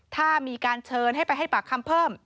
ถ้ามีการเชิญให้ไปให้ปากคำเพิ่ม